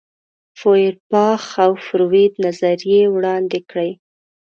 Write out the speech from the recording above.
فوئرباخ او فروید نظریې وړاندې کړې.